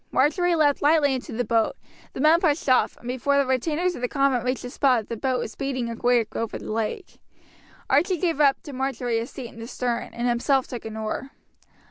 Marjory leapt lightly into the boat; the men pushed off, and before the retainers of the convent reached the spot the boat was speeding away over the lake. Archie gave up to Marjory his seat in the stern, and himself took an oar.